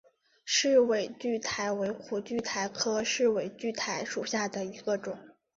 世纬苣苔为苦苣苔科世纬苣苔属下的一个种。